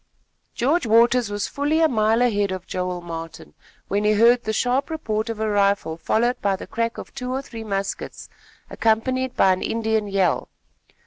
George Waters was fully a mile ahead of Joel Martin, when he heard the sharp report of a rifle followed by the crack of two or three muskets, accompanied by an Indian yell.